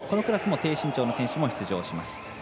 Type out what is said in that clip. このクラスも低身長の選手も出場します。